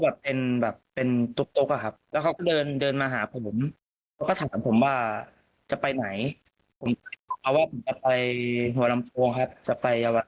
แบบเอ็นแบบเป็นครับเขาก็เดินมาหาผมก็ถามผมว่าจะไปไหนไปกะไเนี่ย